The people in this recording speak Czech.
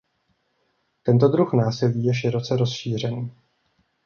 Tento druh násilí je široce rozšířený.